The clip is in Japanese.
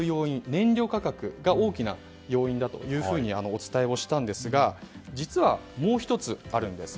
燃料価格が大きな要因だとお伝えをしたんですが実はもう１つあるんです。